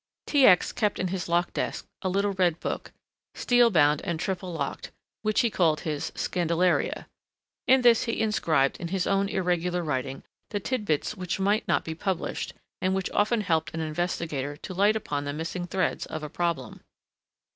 T. X. kept in his locked desk a little red book, steel bound and triple locked, which he called his "Scandalaria." In this he inscribed in his own irregular writing the titbits which might not be published, and which often helped an investigator to light upon the missing threads of a problem.